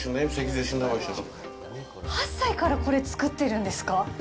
８歳からこれを作ってるんですか！？